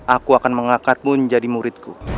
aku akan mengangkatmu menjadi muridku